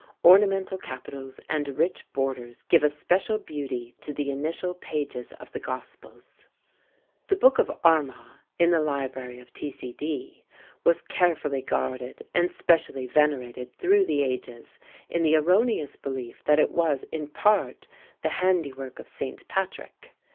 Ornamental capitals and rich borders give a special beauty to the initial pages of the Gospels. _The Book of Armagh _(in the Library of T.C.D.) was carefully guarded and specially venerated through the ages in the erroneous belief that it was in part the handiwork of St. Patrick.